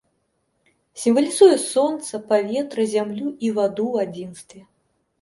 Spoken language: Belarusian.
Сімвалізуе сонца, паветра, зямлю і ваду ў адзінстве.